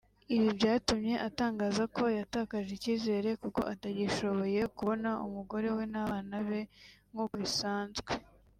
Ibi byatumye atangaza ko yatakaje icyizere kuko atagishoboye kubona umugore we n’abana be nkuko bisanzwe